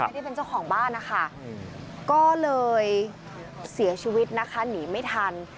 ที่เป็นเจ้าของบ้านนะคะก็เลยเสียชีวิตนะคะหนีไม่ทัน